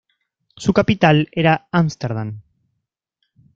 Su capital era Ámsterdam.